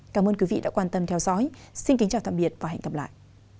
cảm ơn quý vị đã quan tâm theo dõi xin kính chào tạm biệt và hẹn gặp lại